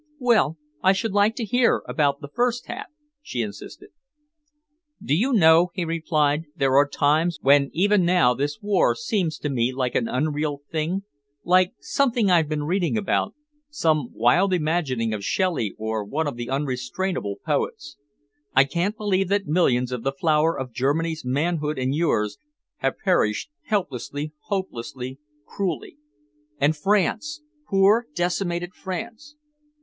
"Well, I should like to hear about the first half," she insisted. "Do you know," he replied, "there are times when even now this war seems to me like an unreal thing, like something I have been reading about, some wild imagining of Shelley or one of the unrestrainable poets. I can't believe that millions of the flower of Germany's manhood and yours have perished helplessly, hopelessly, cruelly. And France poor decimated France!"